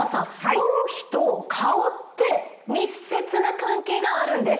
頭皮と顔って密接な関係があるんです。